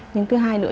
nhưng thứ hai nữa